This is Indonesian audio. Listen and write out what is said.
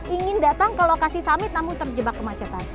ingin datang ke lokasi summit namun terjebak kemacetan